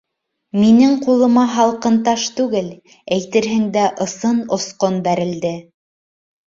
Минең ҡулыма һалҡын таш түгел, әйтерһең дә, ысын осҡон бәрелде.